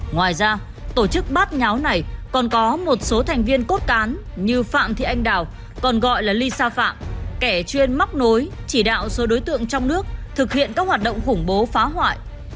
ngoài ra tổ chức bát nháo này còn có một số thành viên cốt cán như phạm thị anh đào còn gọi là lisa phạm kẻ chuyên mắc nối chỉ đạo số đối tượng trong nước thực hiện các hoạt động khủng bố phá hoại